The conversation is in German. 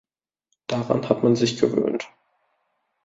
Daran hat man sich gewöhnt.